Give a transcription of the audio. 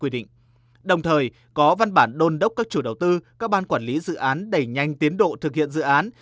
đồng thời có văn bản đôn đốc các chủ đầu tư các ban quản lý dự án đẩy nhanh tiến độ thực hiện dự án